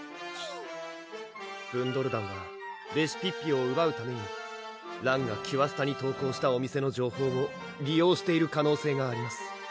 ブンドル団はレシピッピをうばうためにらんがキュアスタに投稿したお店の情報を利用している可能性があります